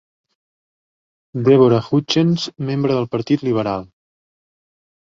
Deborah Hutchens, membre del Partit Liberal.